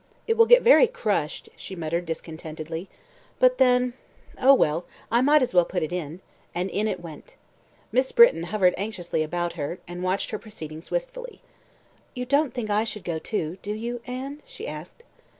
"It will get very crushed," she muttered discontentedly. "But then Oh, well, I might as well put it in," and in it went. Mrs. Britton hovered anxiously about her, and watched her proceedings wistfully. "You don't think I should go too, do you, Anne?" she asked.